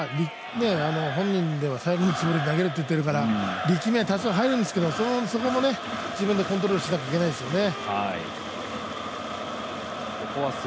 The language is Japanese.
本人では最後のつもりで投げると言ってるから力みは多少入るんですけどその辺も自分でコントロールしないといけないですね。